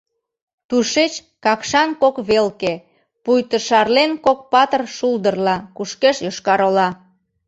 Тушеч Какшан кок велке, пуйто шарлен кок патыр шулдырла, кушкеш Йошкар-Ола.